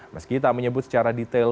meski tak menyebut secara detail